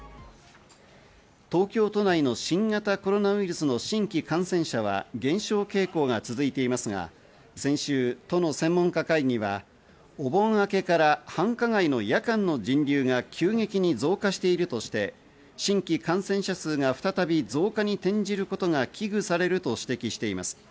東京都内の新型コロナウイルスの新規感染者は減少傾向が続いていますが先週、都の専門家会議は、お盆明けから繁華街の夜間の人流が急激に増加しているとして、新規感染者数が再び増加に転じることが危惧されると指摘しています。